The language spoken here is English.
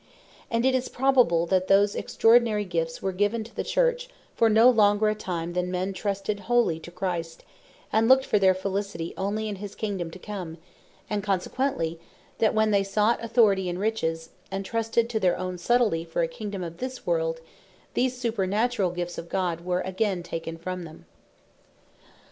And it is probable, that those extraordinary gifts were given to the Church, for no longer a time, than men trusted wholly to Christ, and looked for their felicity onely in his Kingdome to come; and consequently, that when they sought Authority, and Riches, and trusted to their own Subtilty for a Kingdome of this world, these supernaturall gifts of God were again taken from them.